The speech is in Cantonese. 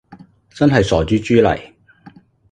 真係傻豬豬嚟